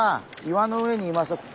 岩の上にいます。